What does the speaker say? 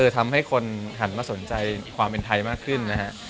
ทำให้คนหันมาสนใจความเป็นไทยมากขึ้นนะฮะ